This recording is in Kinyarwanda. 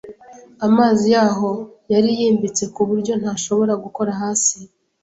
Amazi yaho yari yimbitse kuburyo ntashobora gukora hasi.